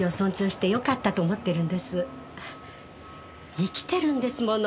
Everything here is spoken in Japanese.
生きてるんですもの。